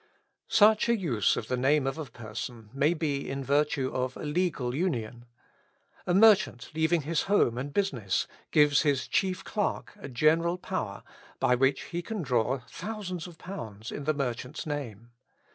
Such a use of the name of a person may be in virtue of a legal union. A merchant leaving his home and business, gives his chief clerk a general power, by which he can draw thousands of pounds in the mer chant's name.